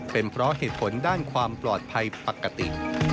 เป็นเพราะเหตุผลด้านความปลอดภัยปกติ